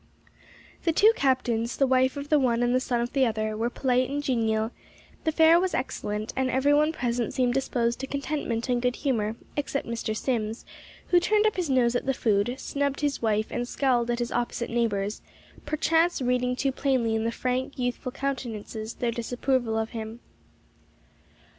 The two captains, the wife of the one and the son of the other, were polite and genial, the fare was excellent, and every one present seemed disposed to contentment and good humor except Mr. Sims, who turned up his nose at the food, snubbed his wife and scowled at his opposite neighbors; perchance reading too plainly in the frank, youthful countenances their disapproval of him.